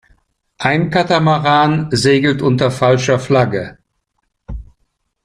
Ein Katamaran segelt unter falscher Flagge.